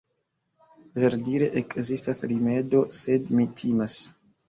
verdire ekzistas rimedo, sed mi timas.